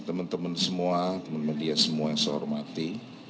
teman teman semua teman media semua yang saya hormati